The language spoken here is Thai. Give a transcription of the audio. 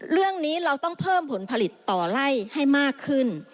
เรื่องนี้เราต้องเพิ่มผลผลิตต่อไล่ให้มากขึ้น